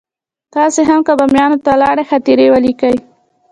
تاسې هم که باميان ته لاړئ خاطرې ولیکئ.